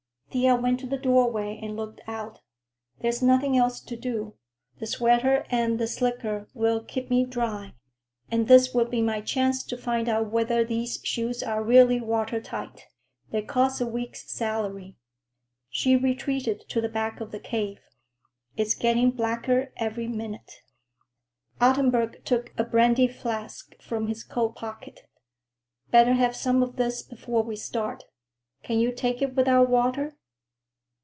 Thea went to the doorway and looked out. "There's nothing else to do. The sweater and the slicker will keep me dry, and this will be my chance to find out whether these shoes are really water tight. They cost a week's salary." She retreated to the back of the cave. "It's getting blacker every minute." Ottenburg took a brandy flask from his coat pocket. "Better have some of this before we start. Can you take it without water?"